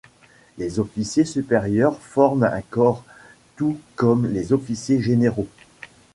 Les officiers supérieurs forment un corps, tout comme les officiers généraux.